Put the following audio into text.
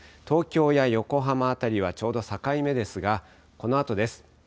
東京や横浜辺りはちょうど境目ですがこのあとです。